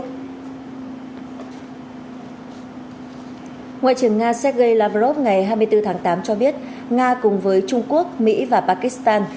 ngoại trưởng nga sergei lavrov ngày hai mươi bốn tháng tám cho biết nga cùng với trung quốc mỹ và pakistan